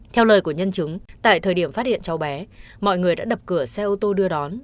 theo lời của nhân chứng tại thời điểm phát hiện cháu bé mọi người đã đập cửa xe ô tô đưa đón